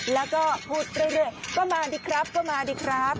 แล้วก็พูดเรื่อยก็มาดีครับก็มาดีครับ